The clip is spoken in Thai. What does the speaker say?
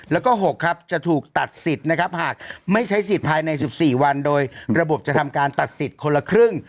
แล้วก็๖ครับจะถูกตัดสิทธิ์นะครับหากไม่ใช้สิทธิ์ภายใน๑๔วันโดยระบบจะทำการตัดสิทธิ์คนละครึ่ง